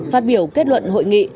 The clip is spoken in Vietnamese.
phát biểu kết luận hội nghị